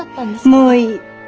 もういい。